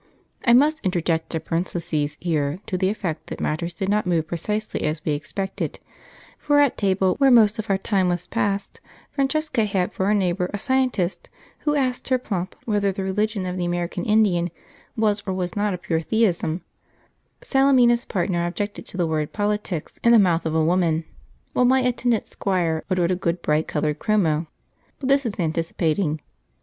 (I must interject a parenthesis here to the effect that matters did not move precisely as we expected; for at table, where most of our time was passed, Francesca had for a neighbour a scientist, who asked her plump whether the religion of the American Indian was or was not a pure theism; Salemina's partner objected to the word 'politics' in the mouth of a woman; while my attendant squire adored a good bright coloured chromo. But this is anticipating.)